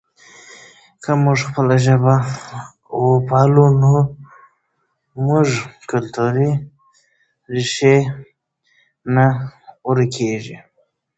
که موږ خپله ژبه وپالو نو زموږ کلتوري ریښې نه ورکېږي.